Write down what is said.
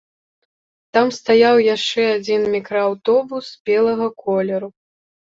Там стаяў яшчэ адзін мікрааўтобус белага колеру.